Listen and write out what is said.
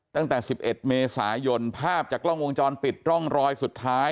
ตั้งแต่๑๑เมษายนภาพจากกล้องวงจรปิดร่องรอยสุดท้าย